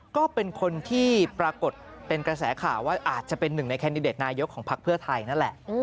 ก็เป็นคนที่ปรากฏเป็นกระแสข่าวว่าอาจจะเป็นหนึ่งในแคนดิเดตนายกของพักเพื่อไทยนั่นแหละ